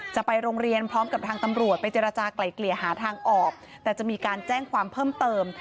จะไปโรงเรียนพร้อมกับทางตำรวจไปเจรจากลายเกลี่ยหาทางออกแต่จะมีการแจ้งความเพิ่มเติม